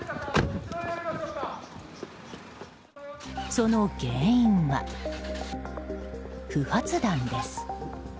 その原因は、不発弾です。